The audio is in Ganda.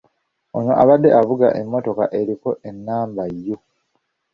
Ono abadde avuga emmotoka eriko ennamba ‘U’